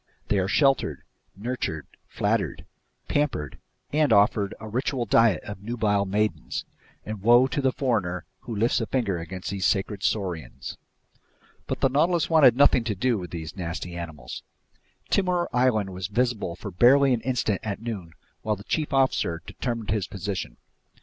They are sheltered, nurtured, flattered, pampered, and offered a ritual diet of nubile maidens; and woe to the foreigner who lifts a finger against these sacred saurians. But the Nautilus wanted nothing to do with these nasty animals. Timor Island was visible for barely an instant at noon while the chief officer determined his position.